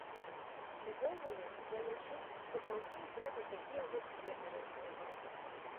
Увогуле, я лічу, што паўсюль трэба такія вось сцены размаляваць.